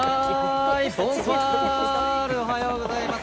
おはようございます。